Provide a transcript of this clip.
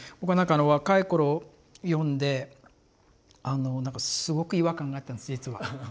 僕はなんか若い頃読んでなんかすごく違和感があったんです実は。